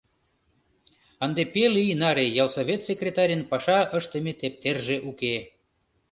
Ынде пел ий наре ялсовет секретарьын паша ыштыме тептерже уке.